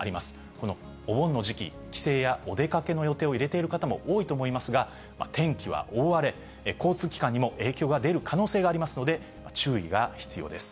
このお盆の時期、帰省やお出かけの予定を入れている方も多いと思いますが、天気は大荒れ、交通機関にも影響が出る可能性がありますので、注意が必要です。